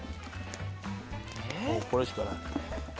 もうこれしかない。